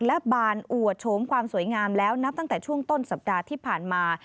และบานอวดโฉมความสวยงามแล้วนับตั้งแต่ช่วงต้นสัปดาห์ที่ผ่านมา